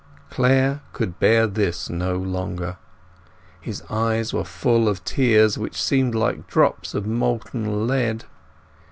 Clare could bear this no longer. His eyes were full of tears, which seemed like drops of molten lead.